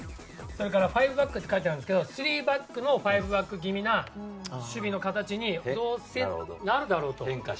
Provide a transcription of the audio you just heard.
それから５バックって書いてありますが３バックの５バック気味な守備の形にどうせ、なるだろうと。